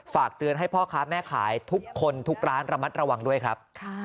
ฝากเตือนให้พ่อค้าแม่ขายทุกคนทุกร้านระมัดระวังด้วยครับ